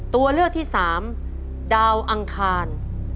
ตัวเลือกที่สามดาวอังคาร